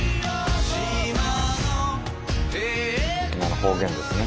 今の方言ですね。